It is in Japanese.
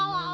あ。